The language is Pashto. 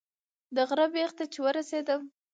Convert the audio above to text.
د غره بیخ ته چې ورسېدم.